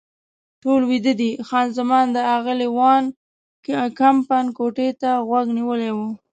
ټول ویده دي، خان زمان د اغلې وان کمپن کوټې ته غوږ نیولی و.